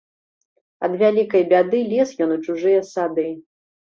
Ад вялікай бяды лез ён у чужыя сады.